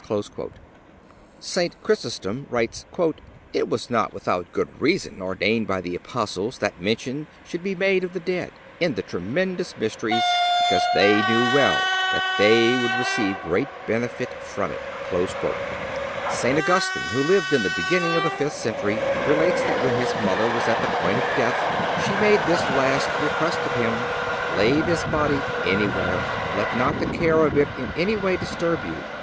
(290) St. Chrysostom writes: "It was not without good reason ordained by the Apostles that mention should be made of the dead in the tremendous mysteries, because they knew well that they would receive great benefit from it."(291) St. Augustine, who lived in the beginning of the fifth century, relates that when his mother was at the point of death she made this last request of him: "Lay this body anywhere; let not the care of it in anyway disturb you.